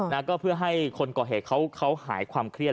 แล้วก็เพื่อให้คนก่อเหตุเขาหายความเครียด